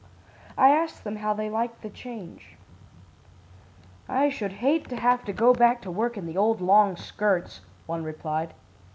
I asked them how they liked the change. "'I should hate to have to go back to work in the old long skirts,' one replied.